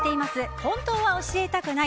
本当は教えたくない！